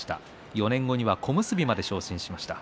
４年後には小結まで昇進しました。